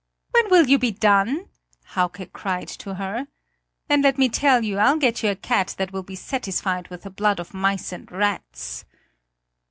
"When will you be done?" Hauke cried to her. "Then let me tell you, I'll get you a cat that will be satisfied with the blood of mice and rats!"